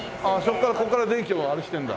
そこからここから電気をあれしてるんだ。